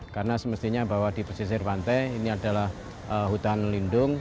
karena semestinya bahwa di pesisir pantai ini adalah hutan lindung